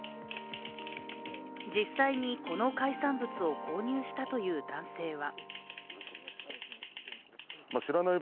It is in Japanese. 実際にこの海産物を購入したという男性は。